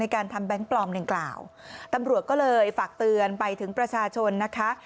การทำแบงค์ปลอมดังกล่าวตำรวจก็เลยฝากเตือนไปถึงประชาชนนะคะ